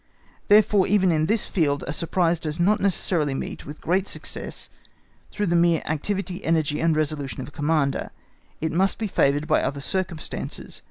Therefore, even in this field, a surprise does not necessarily meet with great success through the mere activity, energy, and resolution of the Commander; it must be favoured by other circumstances.